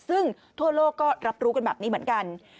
ซึ่งทั่วโลกก็รับรู้กันแบบนี้เหมือนกัน